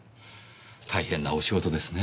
大変なお仕事ですね。